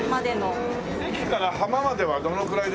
駅から浜まではどのくらいですか？